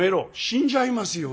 「死んじゃいますよ